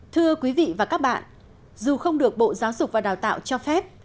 thưa quý vị và các bạn dù không được bộ giáo dục và đào tạo cho phép